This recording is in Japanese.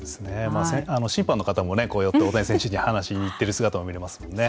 審判の方も寄って大谷選手に話しに行ってる姿を見れますもんね。